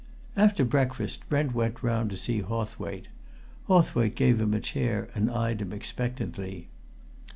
After breakfast Brent went round to see Hawthwaite. Hawthwaite gave him a chair and eyed him expectantly.